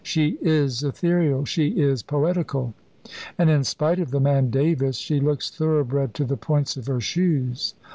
She is ethereal she is poetical and in spite of the man Davis she looks thoroughbred to the points of her shoes.